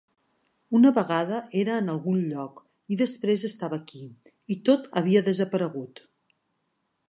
Una vegada era en algun lloc i després estava aquí, i tot havia desaparegut.